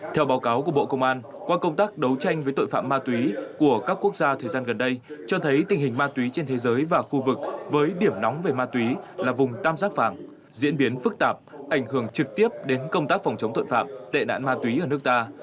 theo báo cáo của bộ công an qua công tác đấu tranh với tội phạm ma túy của các quốc gia thời gian gần đây cho thấy tình hình ma túy trên thế giới và khu vực với điểm nóng về ma túy là vùng tam giác vàng diễn biến phức tạp ảnh hưởng trực tiếp đến công tác phòng chống tội phạm tệ nạn ma túy ở nước ta